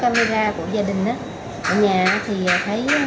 khi mà tôi bỏ camera của gia đình đó ở nhà thì thấy